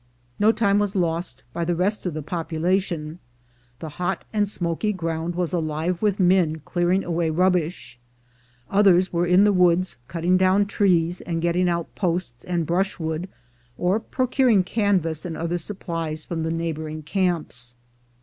No time was lost by the rest of the population. The hot and smoky ground was alive with men clear ing away rubbish; others were in the woods cutting down trees and getting out posts and brushwood, or procuring canvas and other supplies from the neigh boring camps.